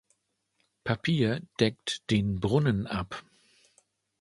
Papier deckt den Brunnen ab.